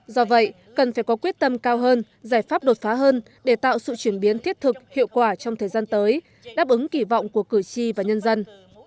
do vậy cần phải có quyết tâm cao hơn giải pháp đột phá hơn để tạo sự chuyển biến thiết thực hiệu quả trong thời gian tới đáp ứng kỳ vọng của cử tri và nhân dân